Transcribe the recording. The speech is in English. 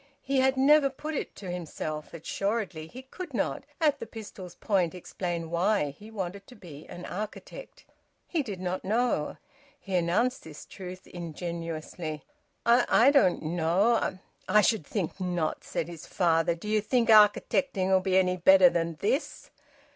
He had never put it to himself. Assuredly he could not, at the pistol's point, explain why he wanted to be an architect. He did not know. He announced this truth ingenuously "I don't know I " "I sh'd think not!" said his father. "D'ye think architecting'll be any better than this?"